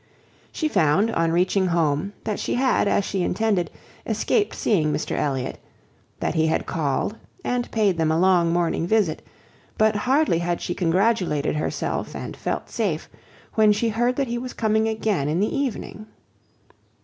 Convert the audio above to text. She found, on reaching home, that she had, as she intended, escaped seeing Mr Elliot; that he had called and paid them a long morning visit; but hardly had she congratulated herself, and felt safe, when she heard that he was coming again in the evening.